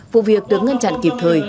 vụ việc được ngăn chặn kịp thời